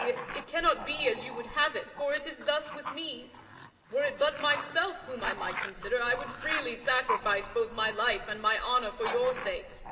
It cannot be as you would have it, for it is thus with me: were it but myself whom I might consider, I would freely sacrifice both my life and my honor for your sake.